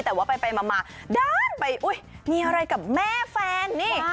แต่ว่าไปมาด้านไปอุ๊ยมีอะไรกับแม่แฟนนี่